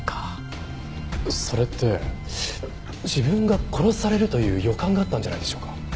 それって自分が殺されるという予感があったんじゃないでしょうか。